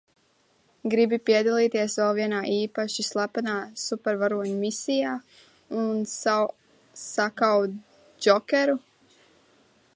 Gribi piedalīties vēl vienā īpaši slepenā supervaroņu misijā un sakaut Džokeru?